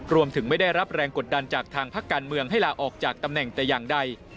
ไม่ได้รับแรงกดดันจากทางพักการเมืองให้ลาออกจากตำแหน่งแต่อย่างใด